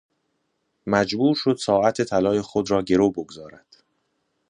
مجبور شد ساعت طلای خود را گرو بگذارد.